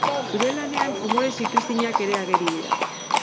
Zure lanean umore zipriztinak ere ageri dira.